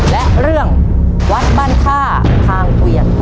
และเรื่องวัดบ้านท่าทางเกวียน